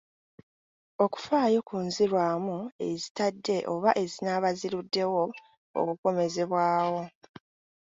Okufaayo ku nzirwamu ezitadde oba ezinaaba ziruddewo okukomezebwawo.